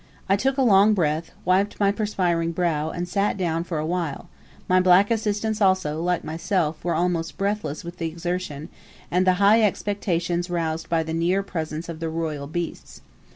I took a long breath, wiped my perspiring brow, and sat down for a while; my black assistants also, like myself, were almost breathless with the exertion, and the high expectations roused by the near presence of the royal beasts.